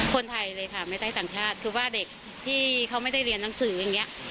คนไทยเลยค่ะไม่ได้ต่างชาติคือว่าเด็กที่เขาไม่ได้เรียนหนังสืออย่างนี้